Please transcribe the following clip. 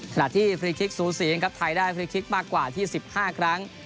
ขณะที่ฟรีคลิกซูสีเองครับไทยได้ฟรีคลิกมากกว่าที่๑๕ครั้ง